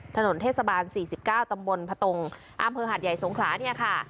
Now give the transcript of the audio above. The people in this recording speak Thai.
ถนนเทศบาลสี่สิบเก้าตำบลผัตงอามเภอหัดใหญ่สงครานี่อ่ะค่ะ